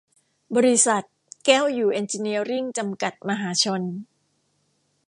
บริษัท แก้วอยู่เอ็นจิเนียริ่ง จำกัด มหาชน